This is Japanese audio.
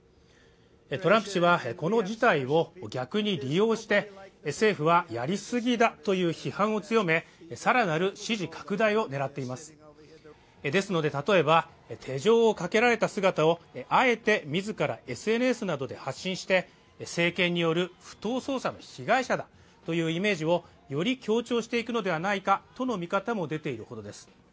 トランプ氏はこの事態を逆に利用して政府はやり過ぎだという批判を強めさらなる支持拡大を狙っていますですので例えば手錠をかけられた姿をあえて自らＳＮＳなどで発信して、政権による不当捜査の被害者だというイメージをより強調していくのではないかとの見方も出ているほどです。